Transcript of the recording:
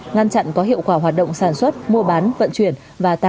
ngăn chặn có hiệu quả hoạt động sản xuất